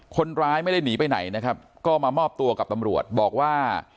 คนร้ายไม่ได้หนีไปไหนนะครับก็มามอบตัวกับตำรวจบอกว่า